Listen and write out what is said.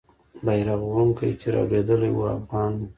بیرغ وړونکی چې رالوېدلی وو، افغان وو.